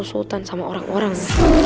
sultani sama orang orang